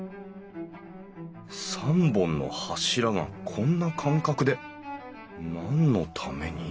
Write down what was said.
３本の柱がこんな間隔で何のために？